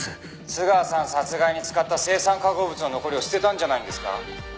「津川さん殺害に使った青酸化合物の残りを捨てたんじゃないんですか？」